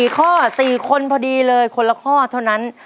๔ข้อ๔คนพอดีเลยคนละข้อเท่านั้น